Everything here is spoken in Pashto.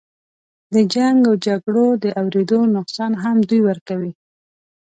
د جنګ و جګړو د اودرېدو نقصان هم دوی ورکوي.